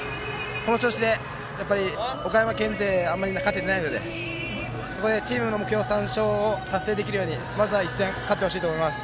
この調子で、岡山県勢あまり勝てていないのでそこでチームの目標の３勝を達成できるようにまずは１戦、勝ってほしいです。